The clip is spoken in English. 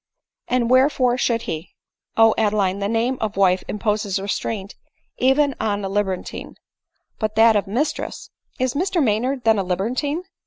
" And wherefore should he ?"" O Adeline, the name of wife imposes restraint even on a libertine ; but that of mistress "" Is Mr Maynard then a libertine